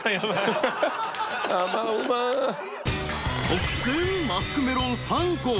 ［特選マスクメロン３個。